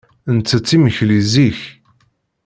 Nettett imekli zik.